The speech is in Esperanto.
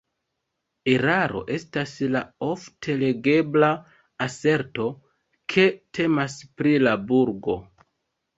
Eraro estas la ofte legebla aserto, ke temas pri la burgo.